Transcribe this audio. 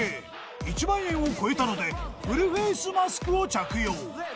［１万円を超えたのでフルフェースマスクを着用］